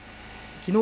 きのう